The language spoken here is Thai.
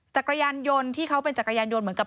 จักรยานยนต์ที่เขาเป็นจักรยานยนต์เหมือนกับ